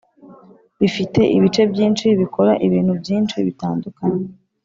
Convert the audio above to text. bifite ibice byinshi bikora ibintu byinshi bitandukanye.